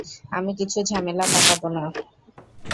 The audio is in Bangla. আমি কিছু ঝামেলা পাকাবো না।